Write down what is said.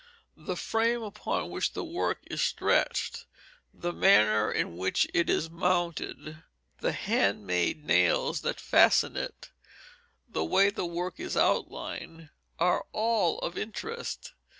The frame upon which the work is stretched, the manner in which it is mounted, the hand made nails that fasten it, the way the work is outlined, are all of interest.